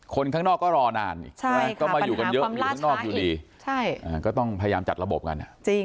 คนข้างนอกก็รอนานก็มาอยู่กันเยอะอยู่ข้างนอกอยู่ดีก็ต้องพยายามจัดระบบกัน